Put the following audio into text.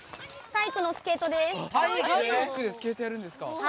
体育でスケートやるんですか。